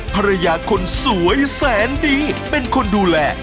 ภรรยาคนสวยแสนดีเป็นคนดูแล